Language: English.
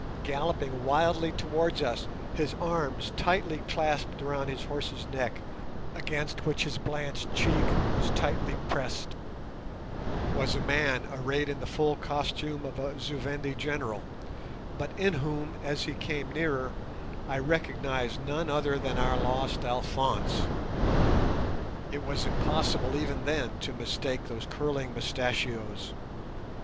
Galloping wildly towards us, his arms tightly clasped around his horse's neck, against which his blanched cheek was tightly pressed, was a man arrayed in the full costume of a Zu Vendi general, but in whom, as he came nearer, I recognized none other than our lost Alphonse. It was impossible even then to mistake those curling mustachios.